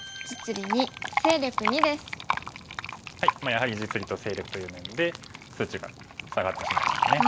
やはり実利と勢力という面で数値が下がってしまいましたね。